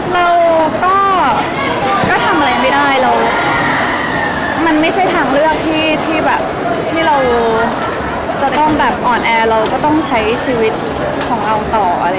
เราก็ทำอะไรไม่ได้เรามันไม่ใช่ทางเลือกที่แบบที่เราจะต้องแบบอ่อนแอเราก็ต้องใช้ชีวิตของเราต่อ